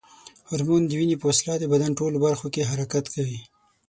هورمون د وینې په وسیله د بدن ټولو برخو کې حرکت کوي.